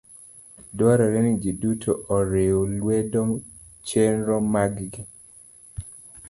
Dwarore ni ji duto oriw lwedo chenro ma g